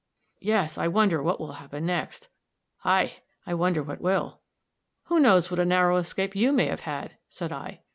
"Yes; I wonder what will happen next." "Ay! I wonder what will." "Who knows what a narrow escape you may have had," said I.